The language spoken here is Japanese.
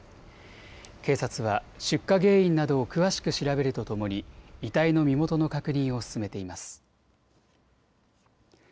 警察は出火原因などを詳しく調べるとともに遺体の身元の確認を進めています。